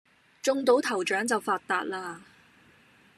中到頭獎就發達喇